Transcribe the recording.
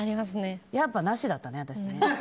やっぱりなしだったね、私ね。